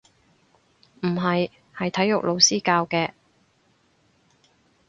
唔係，係體育老師教嘅